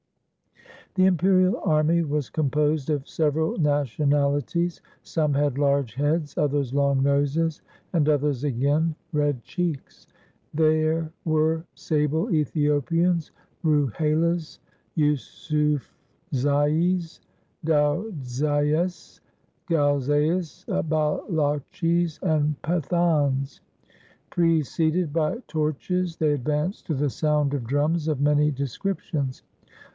The imperial army was composed of several nationalities. Some had large heads, others long noses, and others again red cheeks. There were sable Ethiopians, Ruhelas, Yusufzais, Daudzais, Gilzais, Baloches, and Pathans. Preceded by torches they advanced to the sound of drums of many descriptions.